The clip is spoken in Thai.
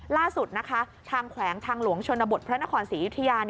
ล่าสุดนะคะทางแขวงทางหลวงชนบทพระนครศรียุธยา